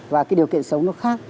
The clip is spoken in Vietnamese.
và cái điều kiện sống nó khác